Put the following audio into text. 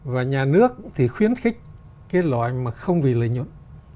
và nhà nước thì khuyến khích cái loại mà không vì lợi nhuận